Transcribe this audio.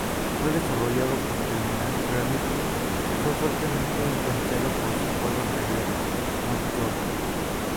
Fue desarrollado por Terminal Reality y fue fuertemente influenciado por su juego anterior "Nocturne".